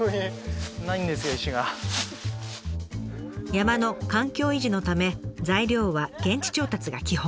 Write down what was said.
山の環境維持のため材料は現地調達が基本。